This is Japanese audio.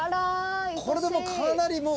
これでかなりもう。